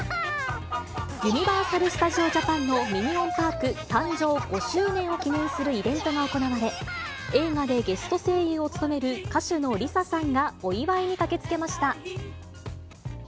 ユニバーサル・スタジオ・ジャパンのミニオン・パーク誕生５周年を記念するイベントが行われ、映画でゲスト声優を務める歌手のＬｉＳＡさんがお祝いに駆けつけました。